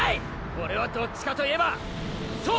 オレはどっちかといえばそう！